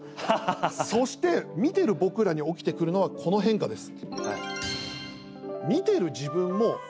そして見てる僕らに起きてくるのはこの変化です。